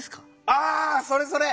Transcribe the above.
あそれそれ！